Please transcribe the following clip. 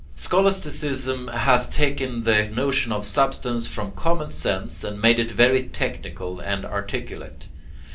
Scholasticism has taken the notion of substance from common sense and made it very technical and articulate.